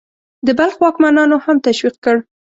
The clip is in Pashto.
د بلخ واکمنانو هم تشویق کړ.